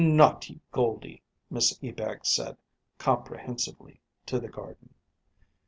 "Naughty Goldie!" Miss Ebag said, comprehensively, to the garden.